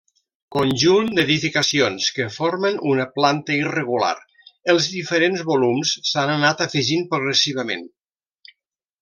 Conjunt d'edificacions que formen una planta irregular, els diferents volums s'han anat afegint progressivament.